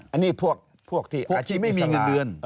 อันนี้พวกที่อาชีพอิสระ